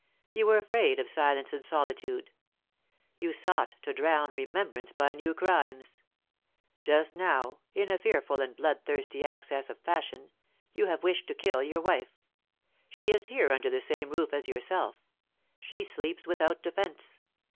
You were afraid of silence and solitude. You sought to drown remembrance by new crimes. Just now, in a fearful and bloodthirsty access of passion, you have wished to kill your wife. She is here under the same roof as yourself. She sleeps without defence.